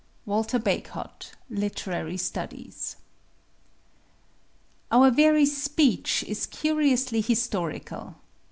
WALTER BAGEHOT, Literary Studies. Our very speech is curiously historical.